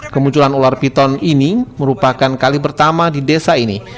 kemunculan ular piton ini merupakan kali pertama di desa ini